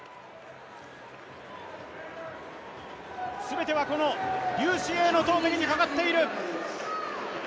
全てはこの劉詩穎の投てきにかかっている。